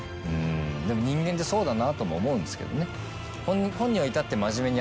でも人間ってそうだなとも思うんですけどね。